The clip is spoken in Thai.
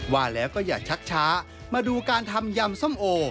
ว่าแล้วก็อย่าชักช้ามาดูการทำยำส้มโอ